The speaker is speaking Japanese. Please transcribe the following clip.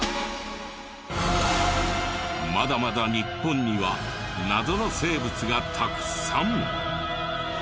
まだまだ日本には謎の生物がたくさん！